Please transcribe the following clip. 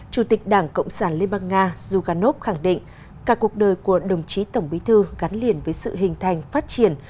chủ tịch đảng cộng sản liên bang nga zhuganov khẳng định cả cuộc đời của đồng chí tổng bí thư gắn liền với sự hình thành phát triển